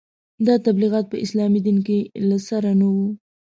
دا تبلیغات په اسلامي دین کې له سره نه وو.